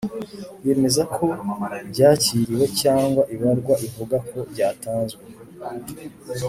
yemeza ko byakiriwe cyangwa ibarwa ivuga ko byatanzwe